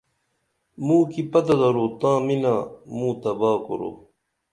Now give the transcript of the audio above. موں کی پتہ درو تاں مِنہ موں تباہ کُرُو